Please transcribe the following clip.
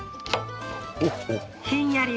ひんやり